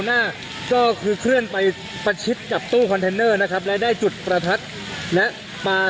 ทางกลุ่มมวลชนทะลุฟ้าทางกลุ่มมวลชนทะลุฟ้า